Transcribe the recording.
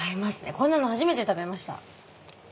こんなの初めて食べました。